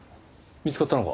見つかったのか？